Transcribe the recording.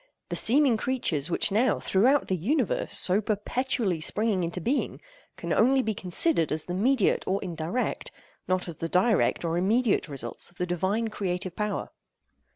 The seeming creatures which are now, throughout the universe, so perpetually springing into being, can only be considered as the mediate or indirect, not as the direct or immediate results of the Divine creative power.